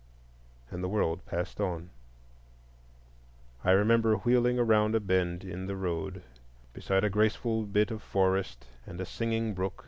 And the world passed on. I remember wheeling around a bend in the road beside a graceful bit of forest and a singing brook.